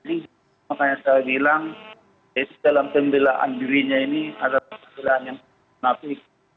ini makanya saya bilang dalam pembelaan dirinya ini ada pergerakan yang mati